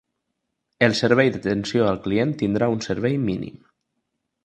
El servei d'atenció al client tindrà un servei mínim.